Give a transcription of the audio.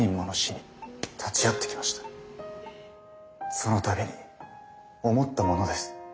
そのたびに思ったものです。